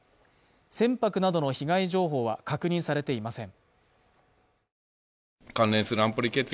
船舶などの被害情報は確認されていません。